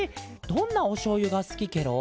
どんなおしょうゆがすきケロ？